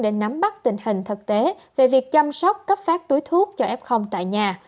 để nắm bắt tình hình thực tế về việc chăm sóc cấp phát túi thuốc cho f tại nhà